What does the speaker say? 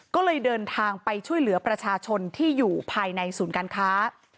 ก็เลยเดินทางไปช่วยเหลือประชาชนที่อยู่ภายในศูนย์การค้า